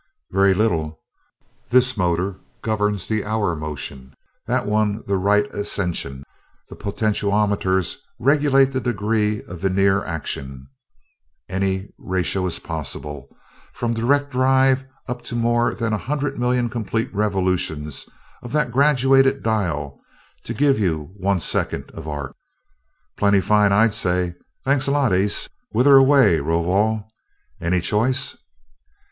"Very little. This motor governs the hour motion, that one the right ascension. The potentiometers regulate the degree of vernier action any ratio is possible, from direct drive up to more than a hundred million complete revolutions of that graduated dial to give you one second of arc." "Plenty fine, I'd say. Thanks a lot, ace. Whither away, Rovol any choice?"